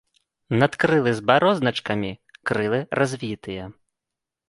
Надкрылы з барозначкамі, крылы развітыя.